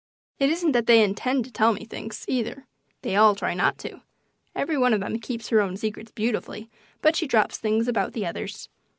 It isn't that they intend to tell me things, either; they all try not to. Every one of them keeps her own secrets beautifully, but she drops things about the others.